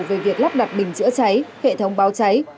về việc lắp đặt bình chữa cháy hệ thống báo cháy